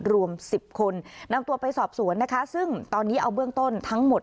รวม๑๐คนนำตัวไปสอบสวนนะคะซึ่งตอนนี้เอาเบื้องต้นทั้งหมด